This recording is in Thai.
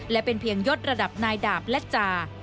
และเป็นเพียงยศระดับนายดาบและจา